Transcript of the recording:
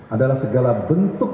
adalah segala bentuk